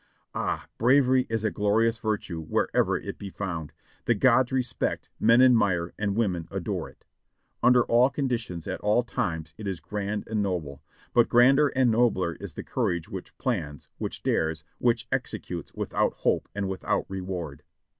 Ah ! bravery is a glorious virtue wherever it be found ; the gods respect, men admire and women adore it. Under all con ditions, at all times it is grand and noble, but grander and nobler is the courage which plans, which dares, which executes without hope and without reward.